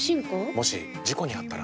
もし事故にあったら？